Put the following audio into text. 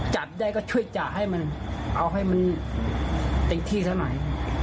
จับได้ก็ช่วยจะให้มันเอาให้มันติดที่ซะหน่อย